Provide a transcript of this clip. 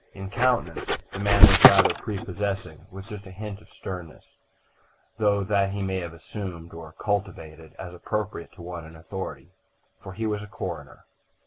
In countenance the man was rather prepossessing, with just a hint of sternness; though that he may have assumed or cultivated, as appropriate to one in authority. For he was a coroner.